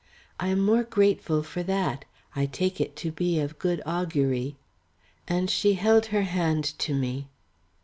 I am more grateful for that, I take it to be of good augury." And she held her hand to me.